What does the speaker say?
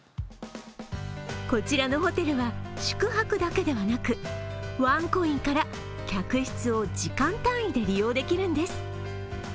こちらのホテルは宿泊だけではなく、ワンコインから客室を時間帯で利用できるんです。